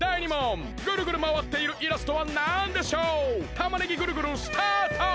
たまねぎぐるぐるスタート！